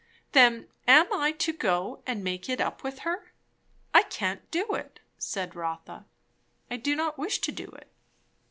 Then am I to go and make it up with her? I can't do it, said Rotha. I do not wish to do it.